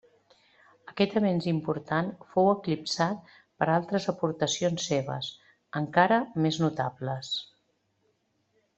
Aquest avenç important fou eclipsat per altres aportacions seves, encara més notables.